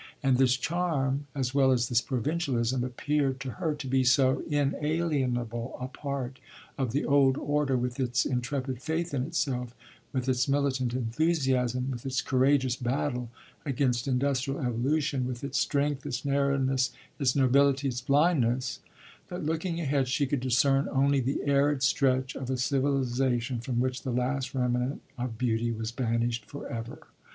And this charm, as well as this provincialism, appeared to her to be so inalienable a part of the old order, with its intrepid faith in itself, with its militant enthusiasm, with its courageous battle against industrial evolution, with its strength, its narrowness, its nobility, its blindness, that, looking ahead, she could discern only the arid stretch of a civilization from which the last remnant of beauty was banished forever.